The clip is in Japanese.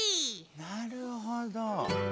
なるほど。